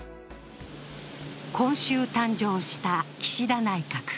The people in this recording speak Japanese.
今週誕生した岸田内閣。